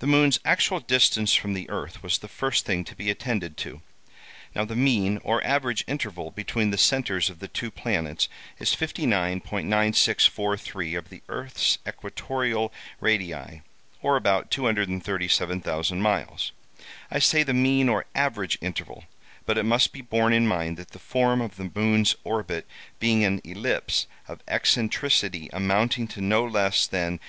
"The moon's actual distance from the earth was the first thing to be attended to. Now, the mean or average interval between the centres of the two planets is 59.9643 of the earth's equatorial radii, or only about 237,000 miles. I say the mean or average interval, but it must be borne in mind that the form of the moon's orbit being an ellipse of eccentricity amounting to no less than 0.